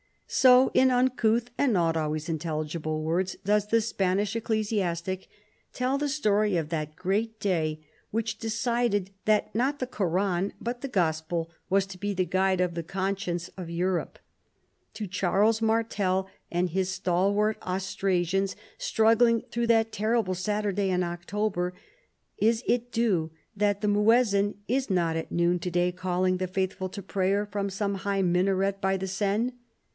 So, in uncouth and not always intelligible words, does the Spanish ecclesiastic tell the story of that great day, which decided that not the Koran but the Gospel was to be the guide of the conscience of Europe. To Charles Martel and his stalwart Aus trasians struggling through that terrible Saturday in October,'^ is it due that the muezzin is not at noon to day calling the faithful to prayer from some high minaret by the Seine.